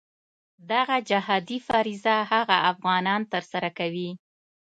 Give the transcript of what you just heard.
دغه جهادي فریضه هغه افغانان ترسره کوي.